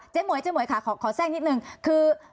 เจ๊หมวยค่ะขอแจ้งนิดนึงคือ